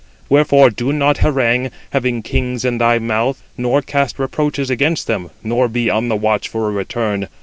Wherefore do not harangue, having kings in thy mouth, nor cast reproaches against them, nor be on the watch for a return.